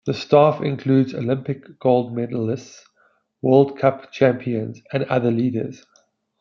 The staff includes Olympic gold medalists, World Cup champions and other leaders.